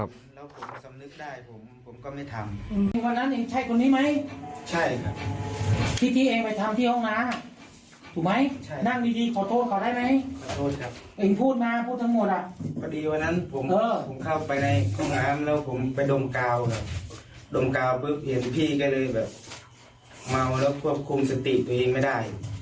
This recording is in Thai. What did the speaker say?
ถ้าสำนึกได้ผมก็เลยไม่ทำ